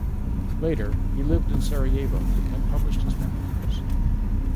Later he lived in Sarajevo and published his memoirs.